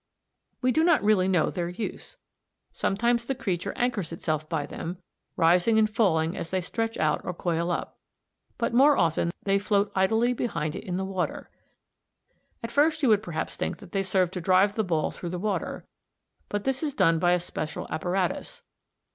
We do not really know their use. Sometimes the creature anchors itself by them, rising and falling as they stretch out or coil up; but more often they float idly behind it in the water. At first you would perhaps think that they served to drive the ball through the water, but this is done by a special apparatus.